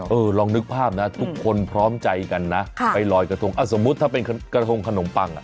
ลองนึกภาพนะทุกคนพร้อมใจกันนะไปลอยกระทงอ่ะสมมุติถ้าเป็นกระทงขนมปังอ่ะ